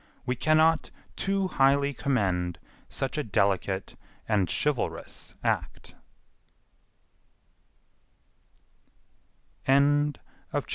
We cannot too highly commend such a delicate and chivalrous act."